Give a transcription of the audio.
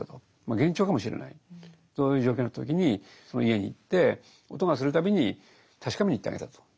幻聴かもしれないそういう状況になった時にその家に行って音がする度に確かめにいってあげたと。